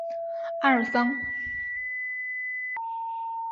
阿尔桑。